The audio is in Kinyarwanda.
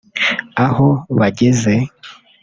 aho bageze